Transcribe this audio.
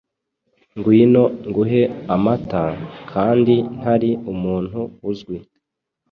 Ngwino nguhe amata, kandi ntari umuntu uzwi !»